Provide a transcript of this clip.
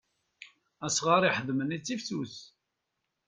Asɣar iḥeḍmen ittifsus.